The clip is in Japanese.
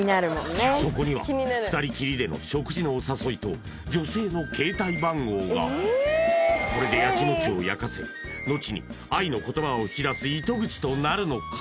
そこには２人きりでの食事のお誘いと女性の携帯番号がこれでヤキモチをやかせのちに愛の言葉を引き出す糸口となるのか？